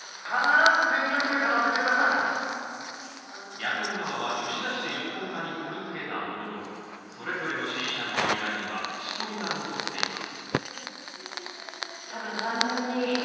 野党側は吉田氏で一本化にこぎつけたもののそれぞれの支持者の間にはしこりが残っています。